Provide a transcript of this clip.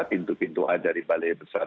pintu pintu dari balai besar